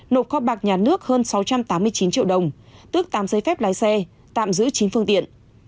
nộp kho bạc nhà nước hơn sáu trăm tám mươi chín triệu đồng tước tám giấy phép lái xe tạm giữ chín phương tiện